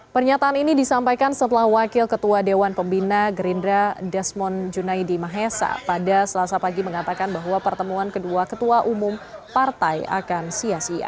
pernyataan ini disampaikan setelah wakil ketua dewan pembina gerindra desmond junaidi mahesa pada selasa pagi mengatakan bahwa pertemuan kedua ketua umum partai akan sia sia